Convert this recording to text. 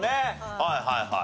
はいはいはい。